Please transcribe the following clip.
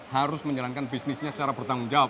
harus menjalankan bisnisnya secara bertanggung jawab